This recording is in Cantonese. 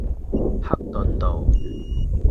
克頓道